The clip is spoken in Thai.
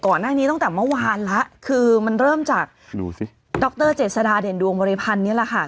ตั้งแต่เมื่อวานแล้วคือมันเริ่มจากดูสิดรเจษฎาเด่นดวงบริพันธ์นี่แหละค่ะ